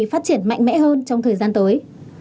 phát triển mạnh mẽ hơn trong thời gian tới